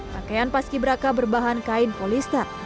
pakaian paski beraka berbahan kain polistar